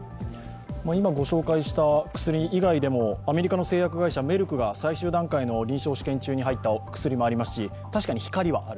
今ご紹介した薬以外でも、アメリカの薬剤会社、メルクが最終段階の臨床治験に入った薬もありますし確かに光はある。